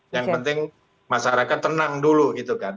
yang penting masyarakat tenang dulu gitu kan